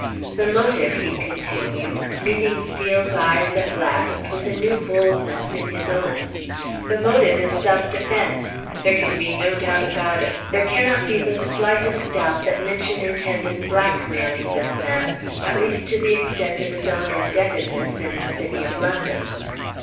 "The motive," he continued, meeting Steel's eyes at last, with a new boldness in his own "the motive is self defence! There can be no doubt about it; there cannot be the slightest doubt that Minchin intended blackmailing this man, at least to the extent of his own indebtedness in the City of London."